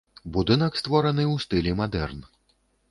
Будынак створаны ў стылі мадэрн.